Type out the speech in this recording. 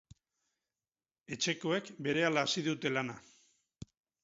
Etxekoek berehala hasi dute lana.